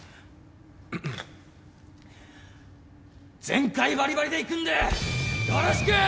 全開バリバリでいくんでよろしくー！